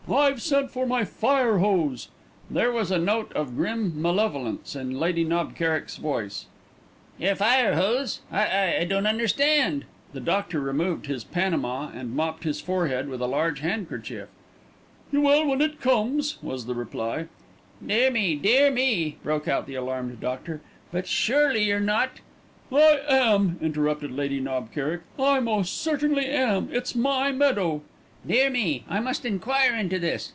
I've sent for my fire hose." There was a note of grim malevolence in Lady Knob Kerrick's voice. "Your fire hose? I I don't understand!" The doctor removed his panama and mopped his forehead with a large handkerchief. "You will when it comes," was the reply. "Dear me, dear me!" broke out the alarmed doctor; "but surely you're not " "I am," interrupted Lady Knob Kerrick. "I most certainly am. It's my meadow." "Dear me! I must enquire into this.